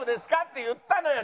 って言ったのよ。